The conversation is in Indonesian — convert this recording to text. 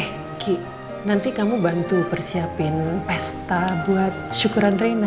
eh ki nanti kamu bantu persiapin pesta buat syukuran reina ya